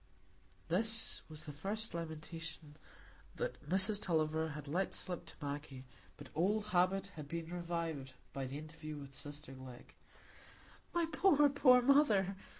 This was the first lamentation that Mrs Tulliver had let slip to Maggie, but old habit had been revived by the interview with sister Glegg. "My poor, poor mother!"